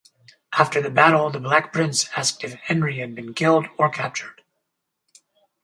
After the battle the Black Prince asked if Henry had been killed or captured.